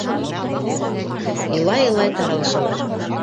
Илай-илай таралышалар.